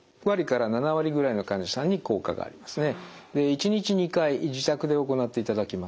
１日２回自宅で行っていただきます。